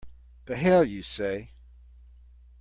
The hell you say!